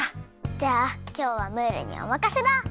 じゃあきょうはムールにおまかせだ！